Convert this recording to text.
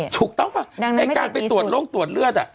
ถูกต้องป่ะในการไปตรวจโรคตรวจเลือด